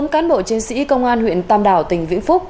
bốn cán bộ chiến sĩ công an huyện tam đảo tỉnh vĩnh phúc